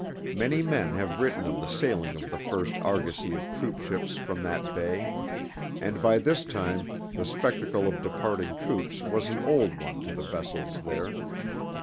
Many men have written of the sailing of the first argosy of troopships from that bay; and by this time the spectacle of departing troops was an old one to the vessels there.